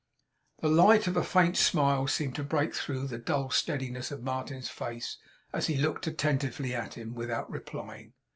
The light of a faint smile seemed to break through the dull steadiness of Martin's face, as he looked attentively at him, without replying.